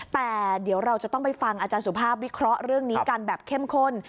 แต่เดี๋ยวเราจะต้องไปฟังอาจารย์สุภาพวิเคราะห์เรื่องนี้กันแบบเข้มข้น